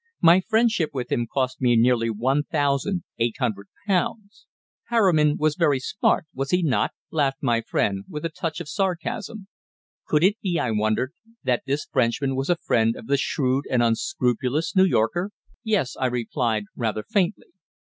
My friendship with him cost me nearly one thousand eight hundred pounds. "Harriman was very smart, was he not?" laughed my friend, with a touch of sarcasm. Could it be, I wondered, that this Frenchman was a friend of the shrewd and unscrupulous New Yorker? "Yes," I replied rather faintly.